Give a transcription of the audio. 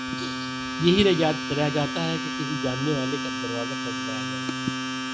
یہی رہ جاتا ہے کہ کسی جاننے والے کا دروازہ کھٹکھٹایا جائے۔